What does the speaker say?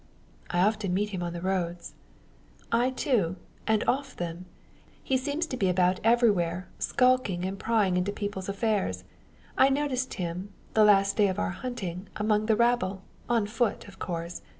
"I often meet him on the roads." "I too and off them. He seems to be about everywhere skulking and prying into people's affairs. I noticed him, the last day of our hunting, among the rabble on foot, of course.